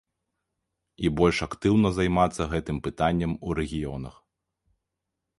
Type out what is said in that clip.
І больш актыўна займацца гэтым пытаннем у рэгіёнах.